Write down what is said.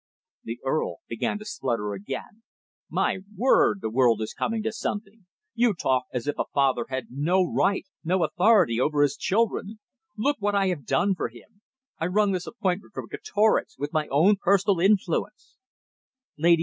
The Earl began to splutter again. "My word, the world is coming to something. You talk as if a father had no right, no authority over his children. Look what I have done for him. I wrung this appointment from Greatorex, with my own personal influence."